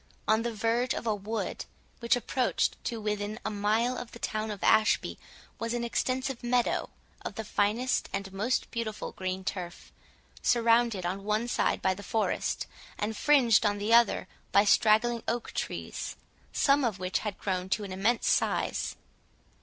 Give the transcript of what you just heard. On the verge of a wood, which approached to within a mile of the town of Ashby, was an extensive meadow, of the finest and most beautiful green turf, surrounded on one side by the forest, and fringed on the other by straggling oak trees, some of which had grown to an immense size.